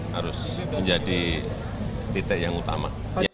harus menjadi titik yang utama